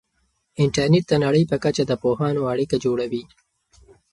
انټرنیټ د نړۍ په کچه د پوهانو اړیکه جوړوي.